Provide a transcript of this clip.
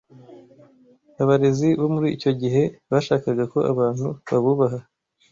Abarezi bo muri icyo gihe bashakaga ko abantu babubaha